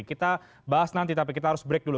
kita bahas nanti tapi kita harus break dulu